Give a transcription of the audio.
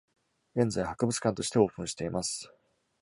現在博物館としてオープンしています。